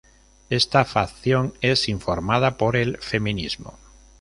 Esta facción es informada por el feminismo.